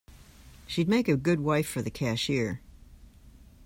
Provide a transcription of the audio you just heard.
She'd make a good wife for the cashier.